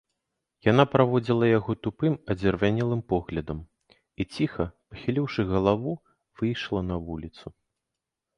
Яна праводзіла яго тупым адзервянелым поглядам і ціха, пахіліўшы галаву, выйшла на вуліцу.